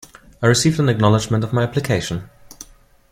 I received an acknowledgement of my application.